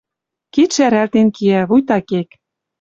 Кид шӓрӓлтен киӓ, вуйта кек.